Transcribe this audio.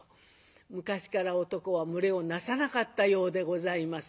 昔から男は群れをなさなかったようでございますが。